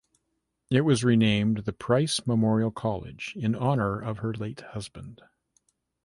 It was renamed the Price Memorial College in honor of her late husband.